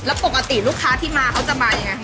แล้วปกติลูกค้าที่มาเขาจะมายังไง